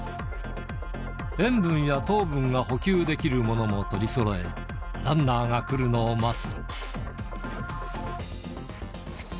塩分や糖分が補給できるものも取りそろえ、ランナーが来るのを待つ。